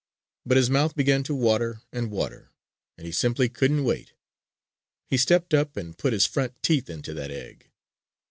But his mouth began to water and water, and he simply couldn't wait. He stepped up and put his front teeth into that egg.